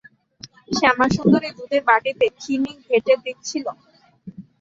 শ্যামাসুন্দরী দুধের বাটিতে চিনি ঘেঁটে দিচ্ছিল।